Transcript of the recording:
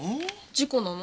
事故なの？